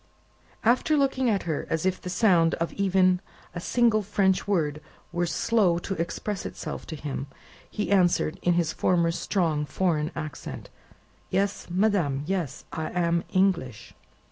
After looking at her, as if the sound of even a single French word were slow to express itself to him, he answered, in his former strong foreign accent. "Yes, madame, yes. I am English!"